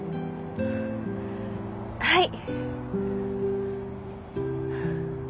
はい！